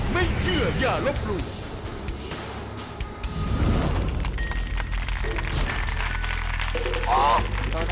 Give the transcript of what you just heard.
ไม่เชื่ออย่าลบหลู่